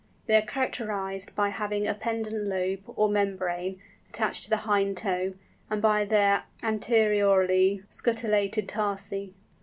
They are characterised by having a pendant lobe, or membrane, attached to the hind toe, and by their anteriorly scutellated tarsi.